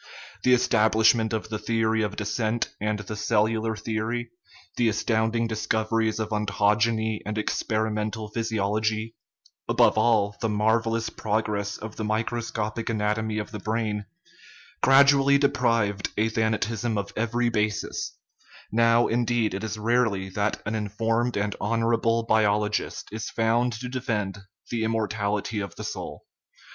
The establishment of the theory of descent and the cellular theory, the astounding discoveries of ontogeny and experimental physiology above all, the marvellous progress of the microscopic anatomy of the brain, gradually deprived athanativSm of every basis; now, indeed, it is rarely that an informed and honorable biologist is found to defend the immortality of the soul.